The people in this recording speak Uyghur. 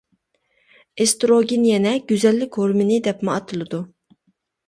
ئېستروگېن يەنە «گۈزەللىك ھورمۇنى» دەپمۇ ئاتىلىدۇ.